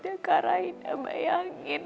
yang karahin sama yangin